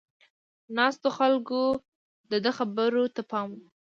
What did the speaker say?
ناستو خلکو د ده خبرو ته پام و.